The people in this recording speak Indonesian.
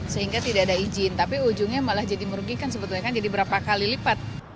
sehingga tidak ada izin tapi ujungnya malah jadi merugikan sebetulnya kan jadi berapa kali lipat